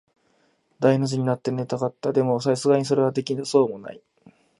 大の字になって寝たかった。でも、流石にそれはできそうもない。